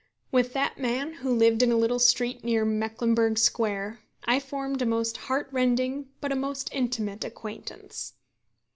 With that man, who lived in a little street near Mecklenburgh Square, I formed a most heart rending but a most intimate acquaintance.